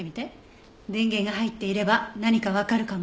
電源が入っていれば何かわかるかも。